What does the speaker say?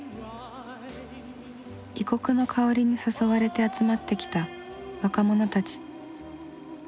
異国の香りに誘われて集まってきた若者たち。